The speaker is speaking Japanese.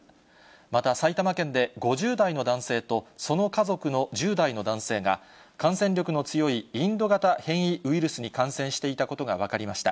また、埼玉県で５０代の男性と、その家族の１０代の男性が、感染力の強いインド型変異ウイルスに感染していたことが分かりました。